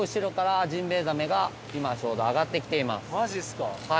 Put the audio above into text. マジっすか。